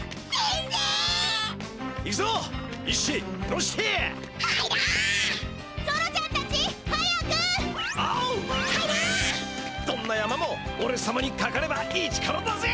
どんな山もおれさまにかかればイチコロだぜ！